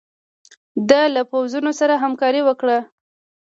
ده له پوځونو سره همکاري وکړي.